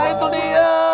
nah itu dia